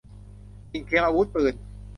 สิ่งเทียมอาวุธปืน